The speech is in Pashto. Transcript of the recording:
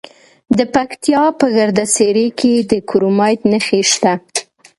د پکتیا په ګرده څیړۍ کې د کرومایټ نښې شته.